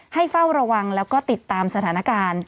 เฝ้าระวังแล้วก็ติดตามสถานการณ์